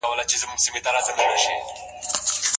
مجموعي تقاضا له مجموعي عرضې سره برابره کړئ.